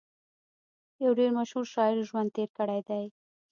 يو ډېر مشهور شاعر ژوند تېر کړی دی